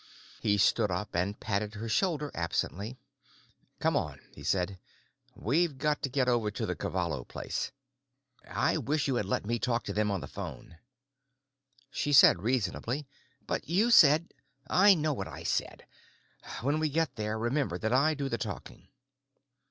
He stood up and patted her shoulder absently. "Come on," he said, "we've got to get over to the Cavallo place. I wish you had let me talk to them on the phone." She said reasonably, "But you said——" "I know what I said. When we get there, remember that I do the talking."